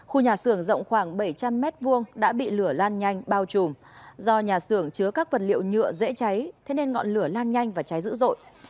khu nhà xưởng rộng khoảng bảy trăm linh m hai đã bị lửa lan nhanh bao trùm do nhà xưởng chứa các vật liệu nhựa dễ cháy thế nên ngọn lửa lan nhanh và cháy dữ dội